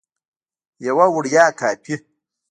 یوه وړیا کاپي